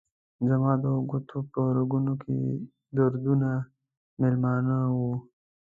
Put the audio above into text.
زما د ګوتو په رګونو کې دردونه میلمانه وه